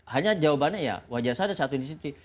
hanya jawabannya ya wajar saja satu institusi